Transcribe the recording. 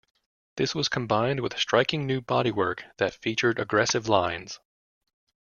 This was combined with striking new bodywork that featured aggressive lines.